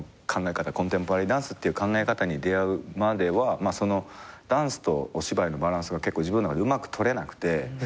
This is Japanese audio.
コンテンポラリーダンスっていう考え方に出合うまではダンスとお芝居のバランスが自分の中でうまく取れなくて。